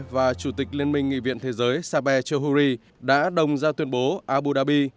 và chủ tịch liên minh nghị viện thế giới sabe chohuri đã đồng ra tuyên bố abu dhabi